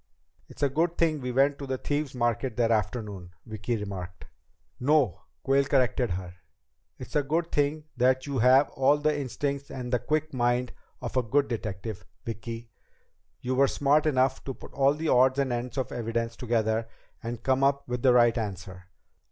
"It's a good thing we went to the Thieves' Market that afternoon," Vicki remarked. "No," Quayle corrected her. "It's a good thing that you have all the instincts and the quick mind of a good detective, Vicki. You were smart enough to put all the odds and ends of evidence together and come up with the right answer.